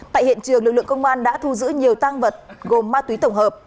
tại hiện trường lực lượng công an đã thu giữ nhiều tăng vật gồm ma túy tổng hợp